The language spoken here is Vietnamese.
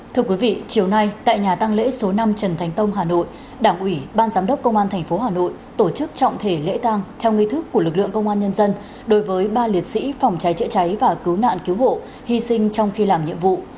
thưa quý vị chiều nay tại nhà tăng lễ số năm trần thành tông hà nội đảng ủy ban giám đốc công an tp hà nội tổ chức trọng thể lễ tăng theo nghi thức của lực lượng công an nhân dân đối với ba liệt sĩ phòng cháy chữa cháy và cứu nạn cứu hộ hy sinh trong khi làm nhiệm vụ